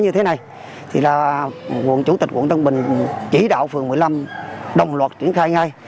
thì là quận chủ tịch quận tân bình chỉ đạo phường một mươi năm đồng luật triển khai ngay